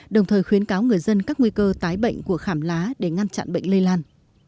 đồng thời khuyến cáo người dân các nguy cơ tái bệnh của khảm lá để ngăn chặn bệnh lây lan